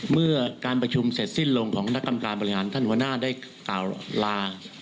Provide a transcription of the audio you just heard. เมื่อการประชุมเสร็จสิ้นลงของนักกรรมการบริหารท่านหัวหน้าได้กล่าวลา